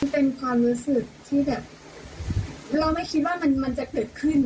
เป็นความรู้สึกที่แบบเราไม่คิดว่ามันจะเกิดขึ้น